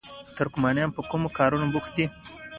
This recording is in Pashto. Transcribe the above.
ترکمنان په کومو کارونو بوخت دي؟